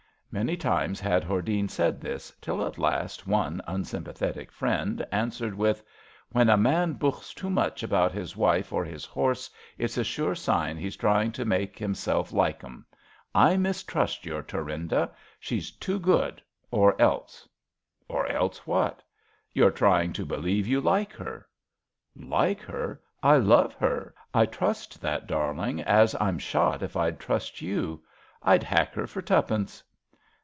Many times had Hordene said this, till at last one unsympathetic friend answered with: ^* When a man bukhs too much about his wife or his horse, it's a sure sign he's trying to make him self like 'em. I mistrust your Thurinda. She's too good, or else "Or else what! "^* You're trying to believe you like her." *^ Like her I I love her I I trust that darling as I'm shot if I 'd trust you. I 'd hack her for tuppence.